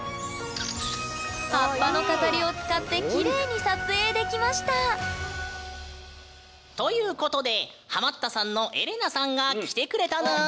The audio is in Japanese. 葉っぱの飾りを使ってきれいに撮影できましたということでハマったさんのエレナさんが来てくれたぬん。